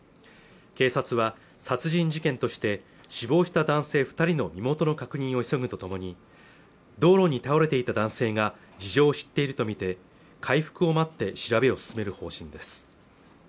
警察は殺人事件として死亡した男性二人の身元の確認を急ぐとともに道路に倒れていた男性が事情を知っているとみて回復を待って調べを進める方針です